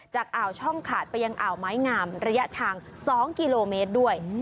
จากอ่าวช่องขาดไปยังอ่าวไม้งามระยะทาง๒กิโลเมตรด้วย